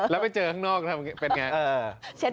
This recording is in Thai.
แล้วไปเจอข้างนอกทำเป็นไง